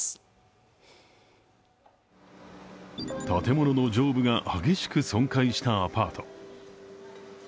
建物の上部が激しく損壊したアパート。